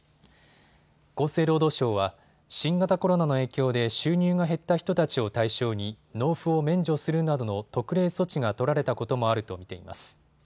厚生労働省は新型コロナの影響で収入が減った人たちを対象に納付を免除するなどの特例措置が取られたこともあると見ています。